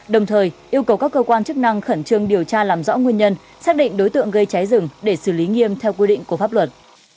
đồng thời yêu cầu các cơ quan chức năng khẩn trương điều tra làm rõ nguyên nhân xác định đối tượng gây cháy rừng để xử lý nghiêm theo quy định của pháp luật